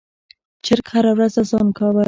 چرګ هره ورځ اذان کاوه.